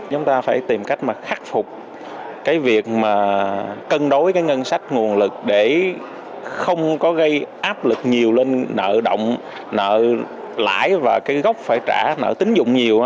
chúng ta phải tìm cách mà khắc phục cái việc mà cân đối cái ngân sách nguồn lực để không có gây áp lực nhiều lên nợ động nợ lãi và cái gốc phải trả nợ tính dụng nhiều